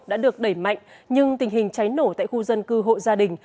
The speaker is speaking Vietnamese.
đã được đẩy mạnh nhưng tình hình cháy nổ tại khu dân cư hộ gia đình